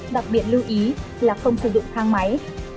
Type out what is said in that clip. đặc biệt lưu ý là không sử dụng thang máy